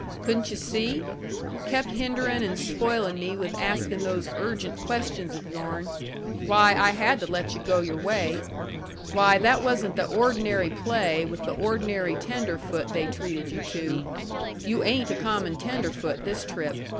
Couldn't yu' see? Kep' hinderin' and spoilin' me with askin' those urgent questions of yourn why, I had to let yu' go your way! Why, that wasn't the ordinary play with the ordinary tenderfoot they treated you to! You ain't a common tenderfoot this trip.